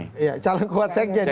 iya calon kuat sekjen